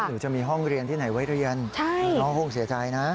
หนูจะมีห้องเรียนที่ไหนไว้เรียนน้องคงเสียใจนะ